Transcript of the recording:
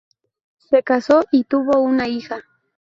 Se casó y tuvo una hija.